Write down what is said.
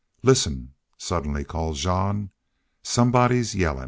"Listen," suddenly called Jean. "Somebody's yellin'."